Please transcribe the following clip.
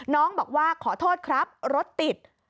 น้องบอกว่าขอโทษครับรถติด